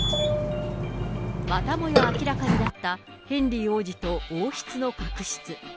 またもや明らかになったヘンリー王子と王室の確執。